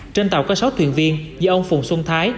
trên tàu có sáu thuyền viên do ông phùng xuân thái